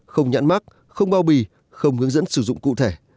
không nhãn mắc không bao bì không hướng dẫn sử dụng cụ thể